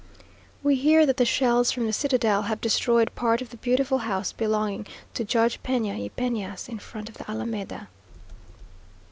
We hear that the shells from the citadel have destroyed part of the beautiful house belonging to Judge Pena y Penas, in front of the Alameda.